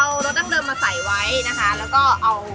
เอารสตั้งเดิมมาใส่ไว้นะคะ